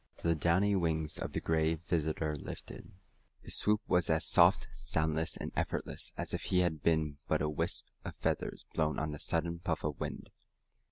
The downy wings of the Gray Visitor lifted. His swoop was as soft, soundless and effortless as if he had been but a wisp of feathers blown on a sudden puff of wind.